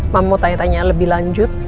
mau tanya tanya lebih lanjut